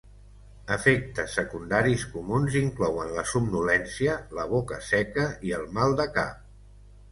Efectes secundaris comuns inclouen la somnolència, la boca seca i el mal de cap.